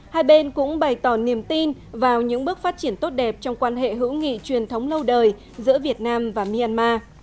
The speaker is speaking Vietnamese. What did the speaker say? hai bên cũng bày tỏ niềm tin vào những bước phát triển tốt đẹp trong quan hệ hữu nghị truyền thống lâu đời giữa việt nam và myanmar